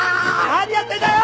何やってんだよ！